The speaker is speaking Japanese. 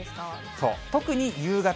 そう、特に夕方。